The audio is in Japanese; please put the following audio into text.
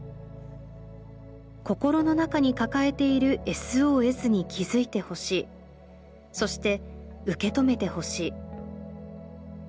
「心の中に抱えているＳＯＳに気付いてほしいそして受け止めてほしい。